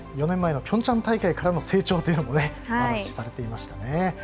４年前のピョンチャン大会からの成長というのも話されていました。